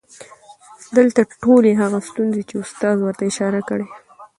دلته ټولې هغه ستونزې چې استاد ورته اشاره کړى